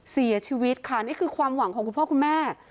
เสียชีวิตค่ะนี่คือความหวังของคุณพ่อคุณแม่